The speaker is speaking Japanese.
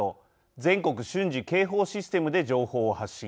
全国瞬時警報システムで情報を発信。